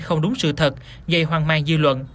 không đúng sự thật dày hoang mang dư luận